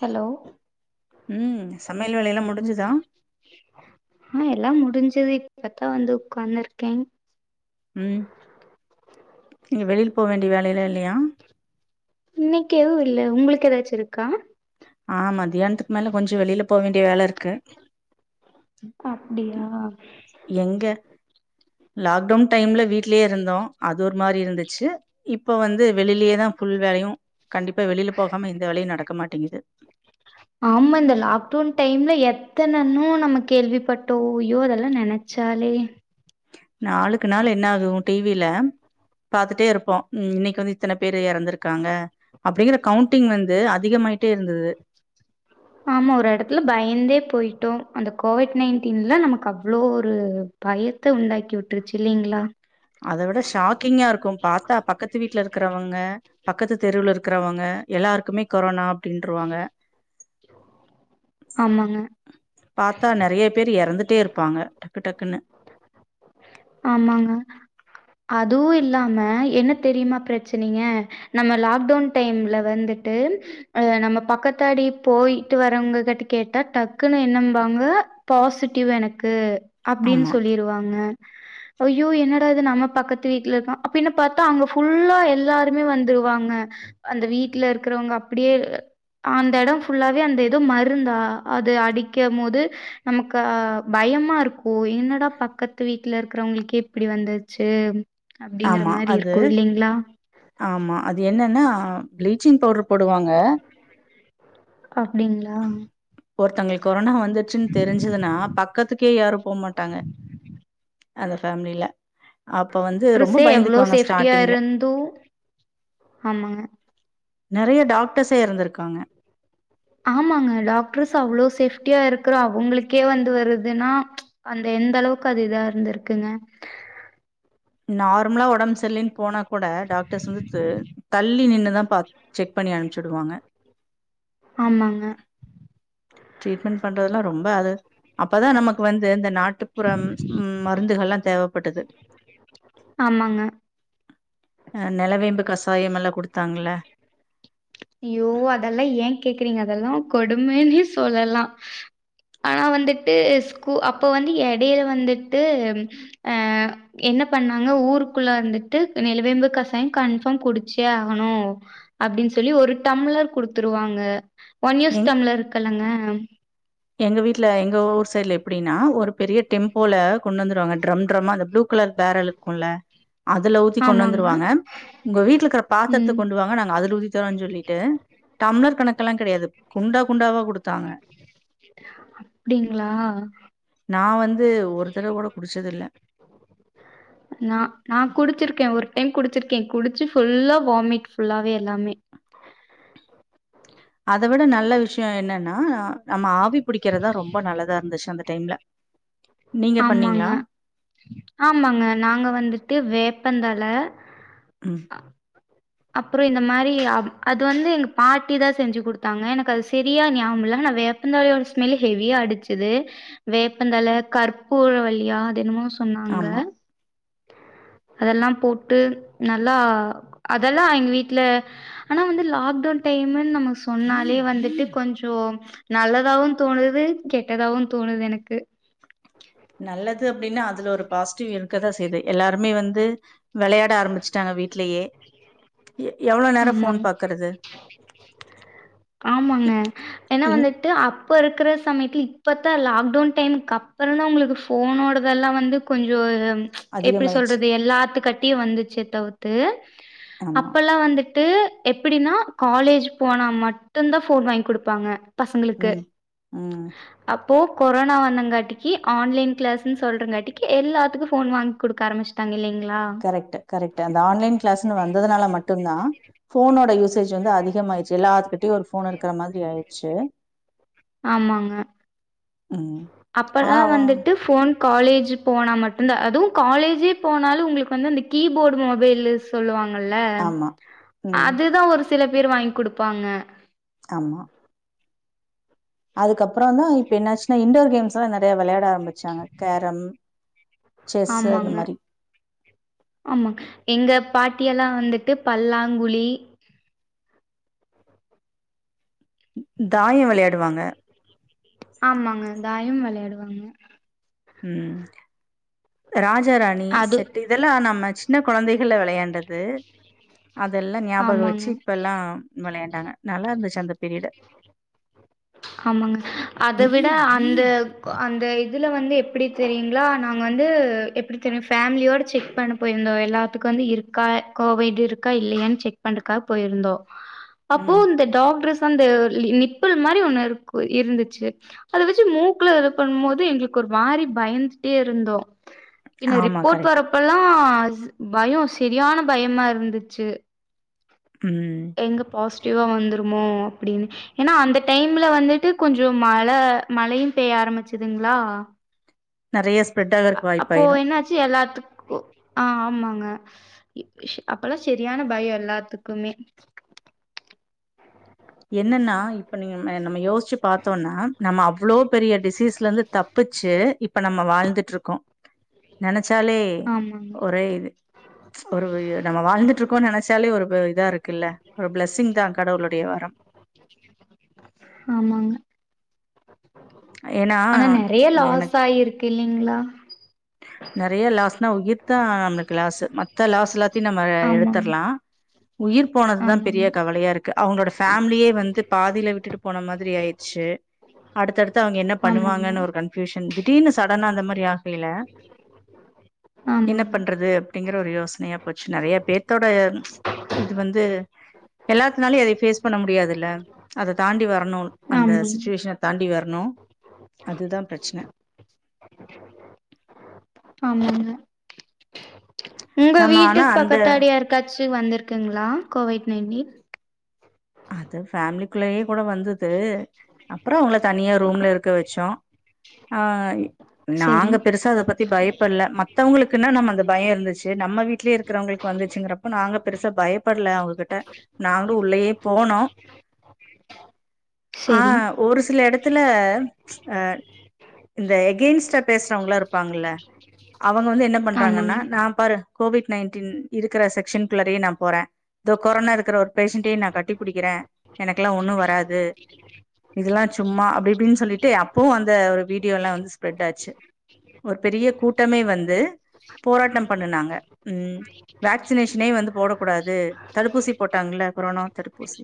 Hello உம் சமையல் வேலையலா எல்லாம் முடிஞ்சுதா ஆ எல்லாம் முடிஞ்சுது இப்பத்தா வந்து உக்காந்துருக்கேன் உம் நீங்க வெளில போக வேண்டிய வேலைலா இல்லையா இன்னைக்கு எதுவு இல்ல உங்களுக்கு ஏதாச்சும் இருக்கா ஆ மத்தியானத்துக்கு மேல கொஞ்சோ வெளில போ வேண்டிய வேல இருக்கு அப்டியா எங்க லாக்டவுன் டைம்ல வீட்லயே இருந்தோம் அது ஒரு மாரி இருந்துச்சு இப்ப வந்து வெளிலயே தான் ஃபுல் வேலையும் கண்டிப்பா வெளில போகாம எந்த வேலையும் நடக்க மாட்டேங்குது ஆமா இந்த லாக்டவுன் டைம்ல எத்தனை இன்னும் நம்ம கேள்விப்பட்டோம் ஐயோ அதெல்லாம் நெனச்சாலே நாளுக்கு நாள் என்ன ஆகு டி வில பாத்துட்டே இருப்போம் இன்னைக்கு வந்து இத்தனை பேர் இறந்துருக்காங்க அப்டிங்கற கவுண்டிங் வந்து அதிகமாயிட் ஆமா ஒரு எடத்துல பயந்தே போயிட் டோ அந்த கோவிட் நைன்டீன்ல நமக்கு அவ்ளோ ஒரு பயத்த உண்டாக்கி விட்டுருச்சு இல்லைங்களா அத விட ஷாக்கிங்கா இருக்கும் பாத்தா பக்கத்து வீட் ல இருக்கறவங்க பக்கத்து தெருவுல இருக்கறவங்க எல்லாருக்குமே கொரோனா அப்டின்ருவாங்க ஆமாங்க பார்த்தா நறைய பேரு இறந்துட் டே இருப்பாங்க டக்கு டக்கு க்குனு ஆமாங்க அதுவு இல்லாம என்ன தெரியுமா பிரச்சனைங்க நம்ம லாக்டவுன் டைம்ல வந்துட்டு அ நம்ம பக்கத்தாடி போயிட்டு வர்றவங்க கிட்ட கேட்டா டக்குன்னு என்னம்பாங்க பாசிட்டிவ் எனக்கு அப்டினு ஆமா சொல்லிருவாங்க ய்யோ என்னடா இது நம்ம பக்கத்து வீட்டுல இருக்கா அப்படினு பார்த்தா அங்க ஃபுல்லா எல்லாருமே வந்துருவாங்க அந்த வீட்டுல இருக்கிறவங்க அப்படியே அந்த எடம் ஃபுல்லாவே அந்த எது மருந்தா அது அடிக்கம் போது நமக்கு பயமா இருக்கும் என்னடா பக்கத் பத்து வீட்டுல இருக்கிறவங்களுக்கே இப்படி வந்துச்சு ஆமா அது ஆமா அது என்னன்னா பிளீச்சிங் பவுடர் போடுவாங்க அப்டிங்களா? ஒருத்தவுங்குளுக் கொரோனா வந்துருச்சுன்னு தெரிஞ்சதுன்னா பக்கத்துக்கே யாரோ போமாட்டாங்க அந்த ஃபேமிலில அப்ப வந்து ரொம்ப ட்ரெசே எவ்ளோ பயந்துக்குவாங்க சேஃப்டியா ஸ்டார்ட்டிங்ல இருந்தோ ஆமாங்க நெறையா டாக்டர்ஸே எறந்திருக்காங்க ஆமாங்க டாக்டர்ஸ் அவ்ளோ சேஃப் சுட்டியா இருக்கிற அவுங்களுக்கே வந்து வருதுன்னா அந்த எந்த அளவுக்கு அது இதா இருந்திருக்குங்க நார்மலா ஒடம்பு சரிலேனு போனாக் கூட டாக்டர்ஸ் வந்துட்டு தள்ளி நின்னுதா பா செக் பண்ணி அனுப்ச் டுவாங்க ஆமாங்க ட்ரீட்மெண்ட் பண்றதுெல்லா ரொம்ப அது அப்பதா நமக்கு வந்து அந்த நாட்டுப்புற ம் மருந்துகள்லா தேவப்பட்டது ஆமாங்க. அ நெலவேம்பு கசாயோமலா குடுத்தாங்கள அய்யோ அதெ ஏன் கேக்குறீங்க அதெல்லாம் கொடுமைனு சொல்லலா ஆனா வந்துட்டு ஸ்கூ அப்ப வந்து எடையில வந்துட்டு அ என்ன பண்ணாங்க ஊருக்குள்ள வந்துட்டு நிலவேம்பு கசாயம் கன்ஃபார்ம் குடிச்சே ஆகணோ அப்படின்னு சொ சொல்லி ஒரு டம்ளர் குடுத்துருவாங்க எங் ஒன்யூஸ்டம்ளர் இருக்கு இல்லங்க எங்க வீட்டுல எங்க ஊர் சைடு்ல எப்படின்னா ஒரு பெரிய டெம்போல கொண்டு வந்துருவாங்க ட்ரம் ட்ரம்மா அந்த ப்ளூ கலர் பேரல் இருக்கும்ல அதுல ஊத்தி கொண்டு ஆமாங்க. வந்துருவாங்க உங்க வீட்ல இருக்குற பாத்தரத்த ம். கொண்டுவாங்க நாங்க அதுல ஊத்தி தரோம்ன்னு சொல்லிட்டு டம்ளர் கணக் க்கெல்லாம் கிடையாது குண்டா குண்டாவா குடுத்தாங்க அப்டிங்களா? நா வந்து ஒரு தடவ கூட குடிச்சது இல்ல நா நா குடிச்சிருக்க ஒரு டைம் குடிச்சிருக்க குடிச்சு ஃபுல்லா வாமிட் ஃபுல்லாவே எல்லாமே அத விட நல்ல விஷயோ என்னன்னா நம்ம ஆவி பிடிக்கறதா ரொம்ப நல்லதா இருந்துச்சு அந்த டைம்ல நீங்க ஆமாங்க பண்ணீங்களா ஆமாங்க நாங்க வந்துட்டு வேப்பந்தழ ம் அப்புறம் இந்த மாதிரி அது வந்து எங்க பாட்டி தா செஞ்சு குடுத்தாங்க எனக்கு அது செரியா ஞாபகம் இல்ல ஆனா வேப்பந்தலையோட ஸ்மெல் ஹெவியா அடிச்சுது வேப்பந்தல கற்பூர வள்ளியா அது என்னமோ சொ சொன்னாங்க ஆமா [inaudible] அதெல்லாம் போட்டு நான் நல்லா அதெல்லாம் எங்க வீட்டுல ஆனா வந்து லாக்டவுன் டைம்ன்னு நம்ம சொன்னாலே வந்துட்டு கொஞ்சம் நல்லதாவும் தோணுது கெட்டதாவும் தோணுது எனக்கு நல்லது அப்படின்னா அதுல ஒரு பாசிட்டிவ் இருக்கதான் செய்யுது எல்லாருமே வந்து விளையாட ஆரம்பிச்சுட்டாங்க வீடலயே ஆமாங்க ஆமாங்க என்னா இன் வந்துட்டு அப்ப இருக்கற சமயத்துல இப்பத்தா லாக்டவுன் டைமுக்கு அப்புறம் தான் உங்களுக்கு ஃபோனோடதெல்லாம் வந்து கொஞ்சே எப்படி அதிகமாயிருச்சு சொல்றது எல்லாத்து கட்டியும் வந்துச்சு தவு தே ஆமா அப்பெல்லாம் வந்துட்டு ட்டு எப்படின்னா காலேஜ் போனா மட்டும்தான் போன் வாங்கி கொடுப்பாங்க பசங்களுக்கு ம் ம் அப் இப்போ கொரோனா வந்தங்காட்டி ஆன்லைன் கிளாஸ்ன்னு சொல்றங்கட்டி எல்லாத்துக்கும் ஃபோன் வாங்கி கொடுக்க ஆரம்பிச்சுடாங்க இல்லைங்க கரெக்ட் கரெக்ட் அந்த ஆன்லைன் கிளாஸ்ன்னு வந்ததுனால மட்டும்தான் போனோட யூசேஜ் வந்து அதிகமயிடுச்சு எல்லாத்துிகிட்ட விட்ளே ஒரு போன் இருக்க மாதிரி ஆயி ச்சோ ஆமாங்க அப்பதா ஆனா வ வந்துட்டு ஃபோன் காலேஜ் போனா மட்டுந்தா அதுவு காலேஜே போனாலு உங்களுக்கு வந்து அந்த கீ கீப்போர்டு மொபைலு சொல்லுவாங்கல்ல ஆமா ம் அதுதா ஒரு சில பேர் வாங்கி குடுப்பாங்க ஆமா அதுக்கப்பறோ தா இப்ப என்னச்சின்னா இண்டோர் கேம்ஸ்லா நெறைய விளையாட ஆரம் வெச்சாங்க கேரம் செஸ் அந்த ஆமாங்க மாரி ஆமாங்க எங்க பாட்டியெல்லா வந்துட்டு பல்லாங்குழி தாய வெளையாடுவாங்க ஆமாங்க தாயம் வெளையாடுவாங்க ம் ராஜ ஜா ராணி அது செட்டு இதெல்லா நம்ம [unintelligible] சின்ன கொழந்தைகள்ல வெளையாண்டது அதெல்லா ஞாபக வச்சு ஆமாங்க. இப்பெல்லா வெளையா [unintelligible] நல்லாருந்துச்சு அந்த பீரியடு ஆமாங்க அத விட அந்த அந்த இதுல வந்து எப்டி தெரியுங்களா நாங்க வந்து எப்புடி தெரியு ஃபேமிலியோடு செக் பண்ண போயிருந்தோ எல்லாத்துக்கு வந்து இருக்கா கோவிடு இருக்கா இல்லையான்னு செக் பண்ணுறக்கா போயிருந்தோ அப்போ ம் இந்த டாக்டர்ஸ் [unintelligible] நிப்பில் பா பின்னாடி ஒன்னு இருக்கு இருந்துச்சு அத வெச்சு மூக்ல எதோ பண்ணுபோது எங்களுக்கு ஒரு மாரி பயந்துட்டே இருந்தோ பின்ன ஆமா ரிப்போட் கரெக்ட். வரப்பல்லா பயோ செரியான பயமாருந்துச்சு ம். எங்க பாஸ்ட் [unintelligible] வந்துருமோ அப்டின்னு ஏனா அந்த டைம்ல வந்துட்டு கொஞ்சம் மழ மழையு பெய்ய ஆரம்பிச்சுதுங்களா நெறைய [unintelligible] அப்போ வாய்ப்பாயிரு. என்னாச்சு எல்லாத்துக் ஒ ஆ ஆமாங்க [unintelligible] அப்பலா செரியான பயோ எல்லாத்துக்குமே என்னன்னா இப்ப நீங்க நம்ம யோச்சு பாத்தோன்னா நம்ம அவ்ளோ பெரிய டிசீஸ்லருந்து தப்பிச்சு இப்ப நம்ம வாழ்ந்துட்டுருக்கோ நெனைச் ச்சாலே ஆமாங்க ஒரே இது ஒரு நம்ம வாழ்ந்துட்டுருக் இப்போ நெனைச்சாலே ஒரு இதாருக்குல்ல ஒரு ப்ளஸ்ஸிங் தா கடவுளோடைய வர ஆமாங்க ஏன்னா, ஆனா நெறையா லாஸ் ஆயிருக்கு இல்லிங்களா நறைய லாஸ்னா உயிர் தா நம்ளுக்கு லாஸ்சு மத்த லாஸ்லா பத்தி நம்ம ஆஹ் ஆமாங்க எடுத்தற்லா உயிர் போனதுதான் பெரிய ஆமாங்க கவலையா இருக்கு அவுங்களோட ஃபேமிலியே வந்து பாதியில விட்டுட்டு போன மாதிரி ஆயிட்ச்சி அடுத்தடுத்து அவங்க என்ன ஆமாங்க பண்ணுவாங்கன்னு ஒரு கன்பியூஷன் திடீர்னு சடனா அந்த மாரி ஆக்லில என்ன ஆமாங்க பண்றது அப்டிங்கிற ஒரு யோஸ்னையா போச் நெறையப் பேத்தோட இது வந்து எல்லாத் தனாலே அதே பேஸ் பண்ண முடியாதுல்ல அத தாண்டி வரன் னுன் அந்த ஆமாங்க சுச்சிவேஷன தாண்டி வர னோம் அதுதான் பிரச்னெ ஆமாங்க உங்க நம்ம ஆனா வீட்டுக் அந்த பக்கத்தாடி யார்க்காச்சி வந்திருக்குங்களா கோவை நீ நீ அதுஃபேம்லிக்குள்ளேயே கூட வந்தது அப்பறம் அவ்ங்ள தனியா ரூம்ல இருக்க வச்சோம் ஆஹ் செரி நாங்க பெருசா அத பத்தி பயப்பல்ல மத்தவங்களுக் குன்னா நம்ம அந்த பயம் இருந்துச்சு நம்ம வீடலேயே இருக்குறவங்களுக்கு வந்திற்சிங்கறப்ப நாங்க பெருசா பயப்பட்ல அவுங்ககிட்ட நாங்ளு உள்ளேயே போனோ செரி ஆஹ் ஒரு சில எடத் துல ஆஹ் இந்த எகேய்ன்ஸ்டா பேஸ்றவங்களா இருப்பாங்ளே அவுங் அவுங்க வந்து என்னப் பண்றாங்கன்னா ஆமாங்க நான் பாரு கோவிட் நைன்டீன் இருக்கிற செக்க்ஷன்குள்ளாரேயே நான் போறேன் தோ கொரோனா இருக்கிற ஒரு பேஷன்ண்டேயே நா கட்டிப் அ எனக்கெல்லாம் ஒண்ணும் வராது இதுல்லா சும்மா அப்டி இப்டின்னு சொல்லிட்டு அப்பவும் அந்த ஒரு வீடியோ எல்லாம் வந்து ஸ்ப்ரெட் ஆச்சு ஒரு பெரிய கூட்டமே வந்து போராட்டம் பண்ணுனாங்க உம் வேக்சினேஷனே வந்து போடக்க கூடாது தடுப்பூசி போட்டாங்களே கொரோனா தடுப் பூசி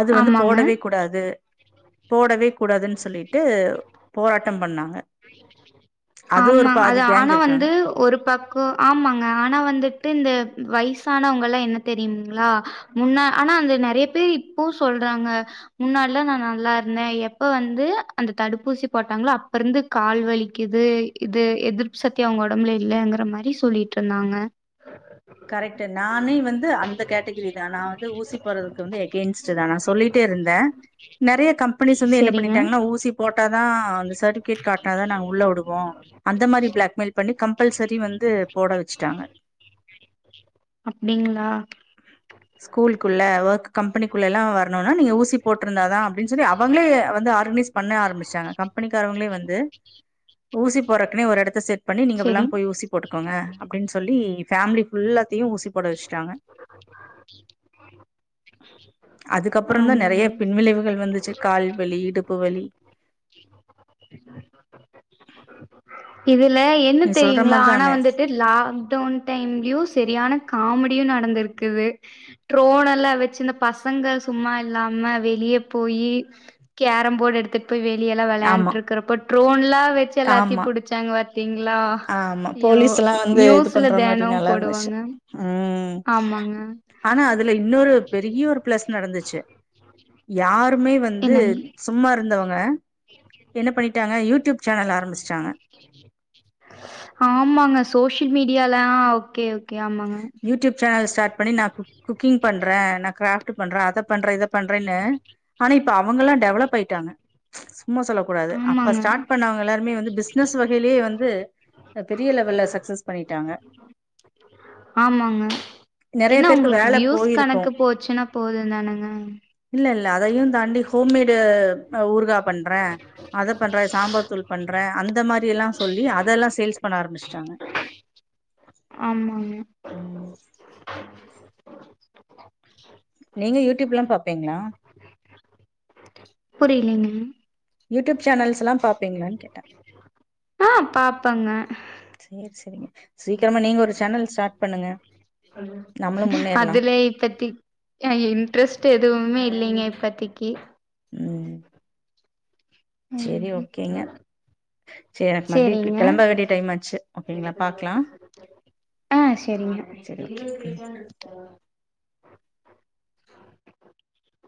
அது வந்து ஆமாங்க போடவேக் கூடாது போடவே கூடாதுன்னு சொல்லிட்டு போராட்டம் பண்ணாங்க அது ஒரு ஆமா பாதி அது கேங் ஆனா இருக்காங்க வந்து ஒரு பக்கோ ஆமாங்க ஆனா வந்துட்டு இந்த வய்சானவங் கல்லாம் என்ன தெரியுங்களா முன்னா ஆனா அந்த நெறைய பேர் இப்போ சொல்றாங்க முன்னாடில்லா நா நல்லா இருந்தேன் எப்ப வந்து அந்த தடுப்பூசி போட்டாங்ளோ அப்ப இருந்து கால் வலிக்குது இது எதிர்ப்பு சத்தி அவுங் ஒடம்லே இல்லங்குற மாரி சொல்லிட்ருந்தாங்க கரெட்டு நானே வந்து அந்த கேட்டகிரி தான் நா வந்து ஊசி போறதுக்கு வந்து எகேன்ஸ்ட் தான் நா சொல்லிட்டே இருந்தேன் நறைய கம்பெனிஸ் வந்து என்ன சரிங்க. பண்ணிட்டாங்கன்னா ஊசி போட்டாத் தான் அந்த சர்ட்டிபிகேட் காட்னா தான் நாங் உள்ள உடுவோம் அந்த மாரி பிளாக்மெயில் பண்ணி கம்பல்செரி வந்து போட வச்சுட்டாங்க அப்டிங்களா ஸ்கூல்குள்ள ஒர்க் கம்பெனிக்குள்ள எல்லாம் வர னும்னா நீங்க ஊசிபோட்டிருந்த தான் அவங்களே ஆர்கனைஸ் பண்ண ஆம்பிச்சாங்க கம்பெனிக்காரங்களே வந்து ஊசி போறக்குனே ஓரு எடத் சேட் பண்ணி நீங்கலா சரி. போய் ஊசி போட்டுக்கோங்க அப்படின்னு சொல்லி ஃபேமிலிஃபுல்ல த்தையும் ஊசிப்போட வெச்சுட்டாங்க அதுக்கப்புறம தான் நறைய ஆமாங்க. பின்விளைவுகள் வந்துச்சு கால் வலி இடுப்பு வலி இது இல்ல என்ன நீ சொல்ற தெரியுங்களா ஆனால் மாரிதானே வந்துட்டு லாக்டவுன் டைம்லயும் சரியான காமெடியும் நடந்திருக்குது ட்ரோன் எல்லாம் வெச்சு இந்த பசங்கலா சும்மா இல்லாம வெளியே போய் கேரம்போர்ட் எடுத்துட்டு வெளியே எல்லாம் ஆமா விளையாண்டுட்டு இருக்கறப்ப ட்ரோன் எல்லாம் வெச்சு எல்லாத்தையும் ஆமா புடிச்சாங்க வத் பாத்தீங்களா ஆமா யோ போலீஸ் எல்லா நியூஸ்ல தெனம் போடுவாங்க உம் ஆமாங்க. ஆனா அதுல இன்னொரு பெரிய ஒரு பிளஸ் நடந்துச்சு யார் [unintelligible] வந்து என்னங்க? சும்மா இருந்தவங்க என்ன பண்ணிட்டாங்க யூடியூப் சேனல் ஆரம்பிச்சிட்டாங்க ஆமாங்க சோசியல் மீடியால அஹ் ஓகே ஆமாங்க. YouTube channel start பண்ணி நா கூக் குக்கிங் பண்றேன் நான் கிராஃப்ட் பண்றேன் அத பண்றேன் இத பண்றேன்னு ஆனா இப்ப அவங்க எல்லாம் டெவலப் ஆயிட்டாங்க சும்மா சொல்ல கூடாது அப்ப ஆமாங்க. ஸ்டார்ட் பண்ணவங்க எல்லாருமே வந்து பிசினஸ் வகையிலேயே வந்து பெரிய லெவல்ல சக்சஸ் பண்ணிட்டாங்க ஆமாங்க நெறைய என்ன பேருக்கு உங்களுக்கு வேல வியூஸ் போயிருக்கும் கணக்கு போச்சுன்னா போதும் தானுங்க இல்ல இல்ல அதையும் தாண்டி ஹோம்மேடு ஊருகா பண்றேன் அதை பண்ற சாம்பார் தூள் பண்ற அந்த மாரி எல்லாம் சொல்லி அதெல்லாம் சேல்ஸ் பண்ண ஆரம்பிச்சிட்டாங்க ஆமா ஆமா நீங்க யூடியூப்லாம் பாப்பீங்களா புரியலலைங்க யூடியூப் சேனல்ஸ்ல்லா ஆஹ் பாப்பாங்க சேரி சேரிங்க சீக்கிரமா நீங்க ஒரு சேனல் ஸ்டார்ட் பண்ணுங்க நம்மளு முன்னேறலா அதுல இப்பத்தி இன்ட்ரெஸ்ட் எதுவுமே இல்லைங்க இப்பத்திக்கு உம் சரி ம் ஓகேங்க சரி எனக்கு மறுபடி சேரிங்க கிளம்ப வேண்டிய டைம் ஆச்சு ஓகேங்களா பாக்கலாம் ஆ சேரிங்க சரி ஓகே [unintelligible]